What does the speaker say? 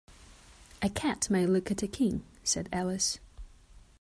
‘A cat may look at a king,’ said Alice.